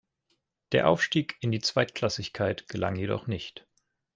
Der Aufstieg in die Zweitklassigkeit gelang jedoch nicht.